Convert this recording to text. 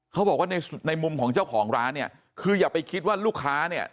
เขาบอกว่าในในมุมของเจ้าของร้านเนี่ยคืออย่าไปคิดว่าลูกค้าเนี่ย